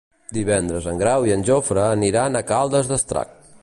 Divendres en Grau i en Jofre aniran a Caldes d'Estrac.